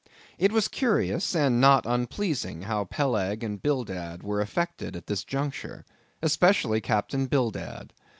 It was curious and not unpleasing, how Peleg and Bildad were affected at this juncture, especially Captain Bildad.